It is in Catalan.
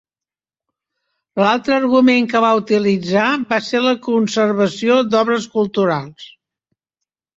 L'altre argument que va utilitzar va ser la conservació d'obres culturals.